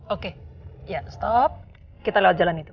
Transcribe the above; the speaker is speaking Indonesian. oke ya stop kita lewat jalan itu